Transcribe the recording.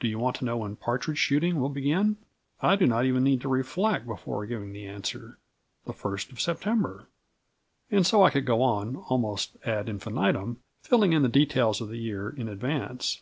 Do you want to know when partridge shooting will begin? I do not even need to reflect before giving the answer: "The 1st of September." And so I could go on, almost ad infinitum, filling in the details of the year in advance.